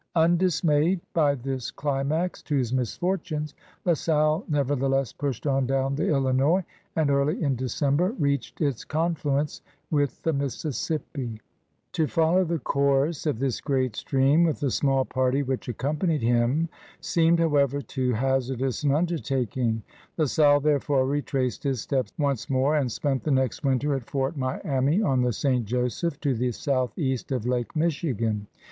Undismayed by this climax to his misfortimes. La Salle never theless pushed on down the Illinois, and early in December reached its confluence with the Mississippi. To follow the course of this great stream with the small party which accompanied him seemed, however, too hazardous an imdertaking. La 106 CRUSADERS OF NEW FRANCE Salle» therefore, retraced his steps once more and spent the next winter at Fort Miami on the St. Joseph to the southeast of Lake Michigan.